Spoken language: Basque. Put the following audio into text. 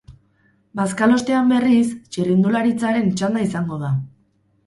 Bazkalostean, berriz, txirrindularitzaren txanda izango da.